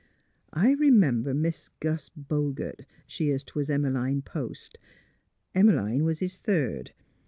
I r 'mem ber Mis' Gus Bogert, she 'twas Emiline Post. Em 'line was his third.